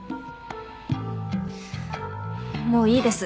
もういいです。